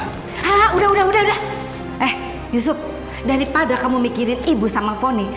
hah udah udah udah eh yusuf daripada kamu mikirin ibu sama fonny